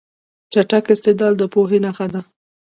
چټک استدلال د پوهې نښه ده.